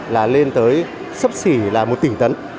là lên tới sấp xỉ là một tỉnh tấn